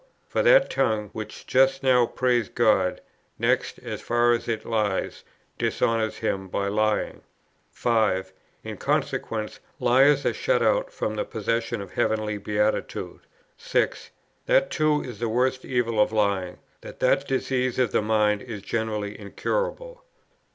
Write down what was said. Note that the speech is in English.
For that tongue, which just now praised God, next, as far as in it lies, dishonours Him by lying. 5. In consequence, liars are shut out from the possession of heavenly beatitude. 6. That too is the worst evil of lying, that that disease of the mind is generally incurable.